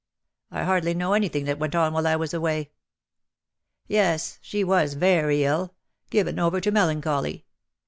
I hardly know anything that went on while I was away.'^ " Yes. She was very ill — given over to melan choly.